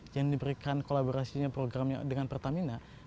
yang diberikan kolaborasinya programnya dengan pertamina